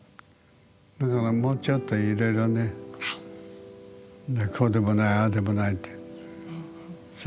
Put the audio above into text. だからもうちょっといろいろねこうでもないああでもないって。